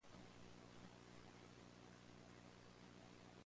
Gondolin was shut and unknown.